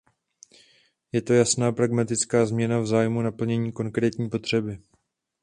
Je to jasná, pragmatická změna v zájmu naplnění konkrétní potřeby.